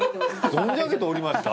存じ上げておりました？